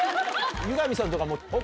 湯上さんとかも他。